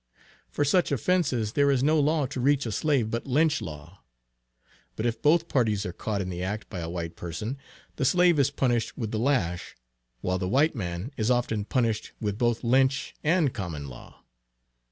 For such offences there is no law to reach a slave but lynch law. But if both parties are caught in the act by a white person, the slave is punished with the lash, while the white man is often punished with both lynch and common law.